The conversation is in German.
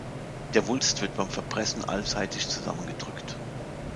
Der Wulst wird beim Verpressen allseitig zusammengedrückt.